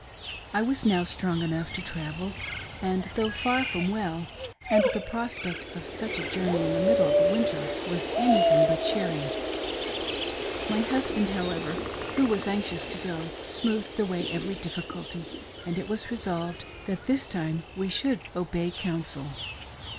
I was now strong enough to travel, and though far from well, and the prospect of such a journey in the middle of winter, was anything but cheering. My husband, however, who was anx ious to go, smoothed away every difficulty, and it was resolved that this time we should " obey " counseL JOURNEYING ZIONWARD, — ^A LONG, LONG WAY.